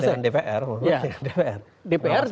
sama aja dengan dpr